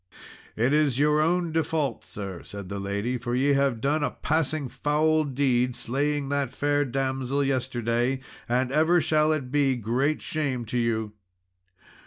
"It is your own default, sir," said the lady, "for ye have done a passing foul deed in slaying that fair damsel yesterday and ever shall it be great shame to you.